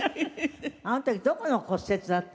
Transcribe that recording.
あの時どこの骨折だったの？